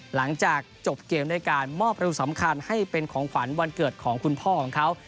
หลังจากจบเกมด้วยการมอบประตูสำคัญให้เป็นของขวัญวันเกิดของคุณพ่อของเขา